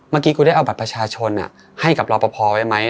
เมื่อกี้กูได้เอาบัตรประชาชนให้กับรอปภไว้ไหม